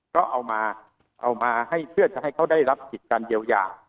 ก็เอามาให้เพื่อจะให้เขาได้รับกิจการเดียวยา